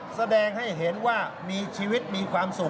แสดงให้เห็นว่ามีชีวิตมีความสุข